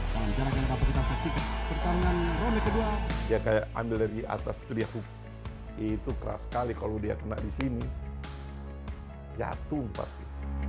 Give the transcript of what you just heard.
dia kayak ambil dari atas itu dia itu keras sekali kalau dia kena di sini jatuh pasti